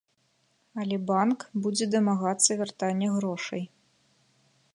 Але банк будзе дамагацца вяртання грошай.